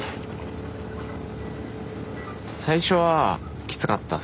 最初はきつかったっすね。